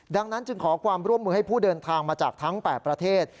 ดังนั้นจึงขอความร่วมมือให้ผู้เดินทางมาจากทั้ง๘ประเทศ